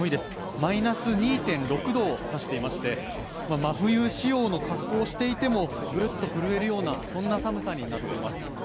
マイナス２．６度を指していまして、真冬仕様の格好をしていてもぶるっと震えるような、そんな寒さになっています。